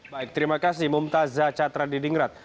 baik terima kasih mumtaz zacatra di dingrat